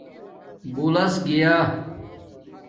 بُولس گیݳ